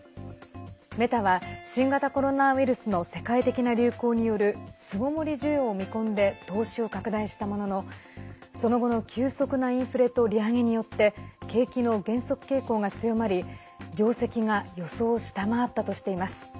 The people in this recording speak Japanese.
メタは新型コロナウイルスの世界的な流行による巣ごもり需要を見込んで投資を拡大したもののその後の急速なインフレと利上げによって景気の減速傾向が強まり、業績が予想を下回ったとしています。